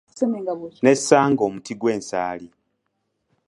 Nesanga omuti gw'ensaali.